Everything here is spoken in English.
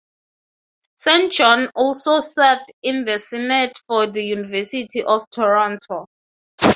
Saint John also served in the Senate for the University of Toronto.